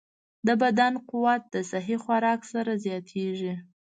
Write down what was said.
د بدن قوت د صحي خوراک سره زیاتېږي.